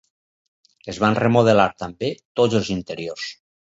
Es van remodelar també tots els interiors.